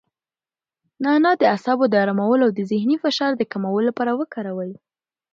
نعناع د اعصابو د ارامولو او د ذهني فشار د کمولو لپاره وکاروئ.